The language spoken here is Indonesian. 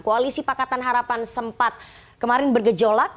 koalisi pakatan harapan sempat kemarin bergejolak